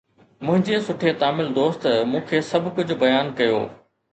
منهنجي سٺي تامل دوست مون کي سڀ ڪجهه بيان ڪيو